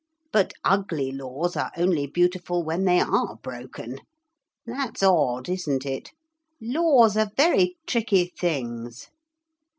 But ugly laws are only beautiful when they are broken. That's odd, isn't it? Laws are very tricky things.'